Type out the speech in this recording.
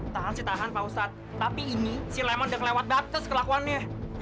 tahan sih tahan pak ustadz tapi ini si leman udah kelewat batas kelakuannya